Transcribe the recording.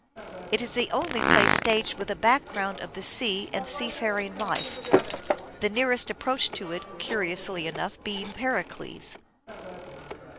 It is the only play staged with a background of the sea and sea faring life ; the nearest approach to it, curiously enough, being " Pericles."